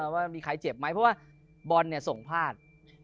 ว่ามีใครเจ็บไหมเพราะว่าบอลส่งพลาด